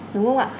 đúng không ạ